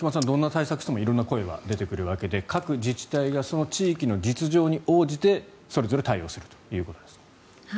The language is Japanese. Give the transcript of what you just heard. どんな対策しても色んな声は出てくるわけで各自治体がその地域の実情に応じてそれぞれ対応するということです。